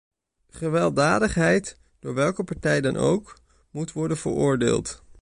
Gewelddadigheid, door welke partij dan ook, moet worden veroordeeld.